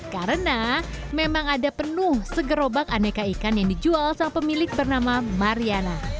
karena memang ada penuh segerobak aneka ikan yang dijual oleh pemilik bernama mariana